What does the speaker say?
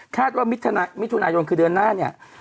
ว่ามิถุนายนคือเดือนหน้าเนี่ย